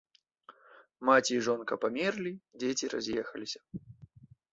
Маці і жонка памерлі, дзеці раз'ехаліся.